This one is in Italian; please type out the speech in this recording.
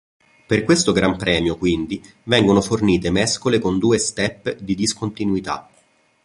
Per questo gran premio quindi vengono fornite mescole con due "step" di discontinuità.